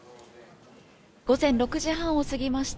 午前６時半を過ぎました。